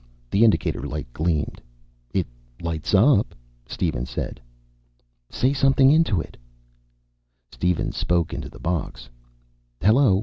The indicator light gleamed. "It lights up," Steven said. "Say something into it." Steven spoke into the box. "Hello!